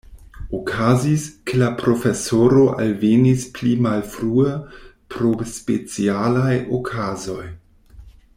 Okazis, ke la profesoro alvenis pli malfrue, pro specialaj okazoj.